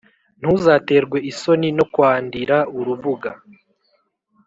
ntuzaterwe isoni no kwandira urubuga